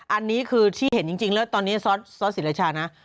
อันนี้คือที่เห็นจริงแล้วตอนนี้ซอสศิราชานะ